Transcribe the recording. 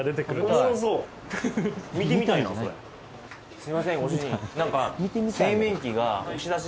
すいませんご主人何か